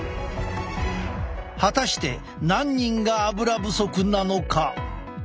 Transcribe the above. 果たして何人がアブラ不足なのか？